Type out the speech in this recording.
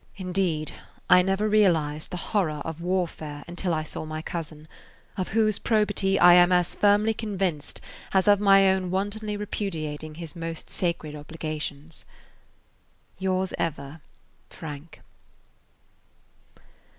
Indeed, I never realized the horror of warfare until I saw my cousin, of whose probity I am as firmly convinced as of my own wantonly repudiating his most sacred obligations. Yours ever, FRANK.